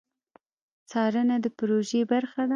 څارنه د پروژې برخه ده